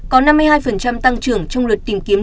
có năm mươi hai tăng trưởng trong lượt tìm kiếm